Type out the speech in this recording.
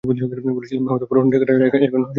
বলেছিলাম না, হয়তো পুরোনো ঠিকানা, এখন কেউ থাকে না।